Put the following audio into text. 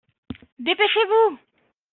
Dépêchez-vous !